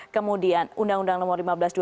kemudian undang undang nomor lima belas